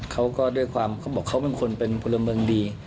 เขาก็ด้วยความเขาบอกเขาเป็นคนเป็นพลเมืองดี